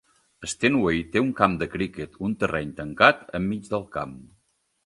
Stanway té un camp de criquet, un terreny tancat, enmig del camp.